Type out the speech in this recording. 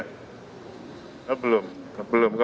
hasil evaluasinya seperti apa pak